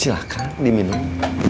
silahkan di minum